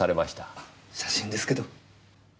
写真ですけど。